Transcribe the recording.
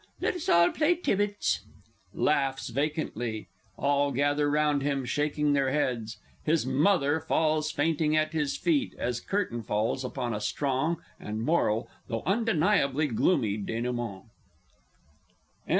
Let us all play Tibbits. [Laughs vacantly; all gather round him, shaking their heads, his Mother _falls fainting at his feet as curtain falls upon a strong and moral, though undeniably gloomy dénoûment.